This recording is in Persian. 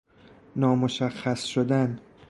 نامشخص شدن